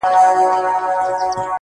اورۍ او نوک نه سره جلا کېږي.